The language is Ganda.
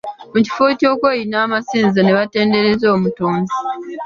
Mu kifo ky’okweyuna amasinzizo ne batendereza omutonzi.